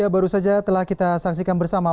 baru saja telah kita saksikan bersama